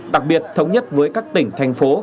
đặc biệt thống nhất với các tỉnh thành phố